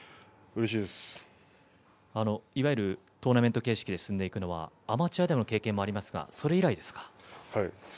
いわゆるトーナメント形式アマチュアでは経験がありますがそれ以来ですか。